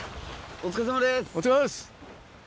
お疲れさまです。